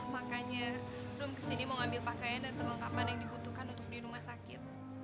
makanya belum kesini mau ambil pakaian dan perlengkapan yang dibutuhkan untuk di rumah sakit